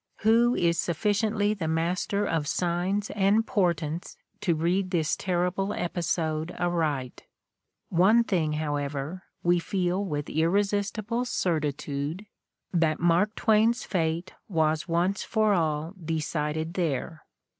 Who is sufficiently the master of signs and portents to read this terrible episode aright ? One thing, however, we feel with irresistible certitude, that Mark Twain's fate was once for all decided there.